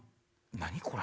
何これ！